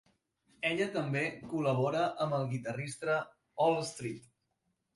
Ella també col·labora amb el guitarrista Al Street.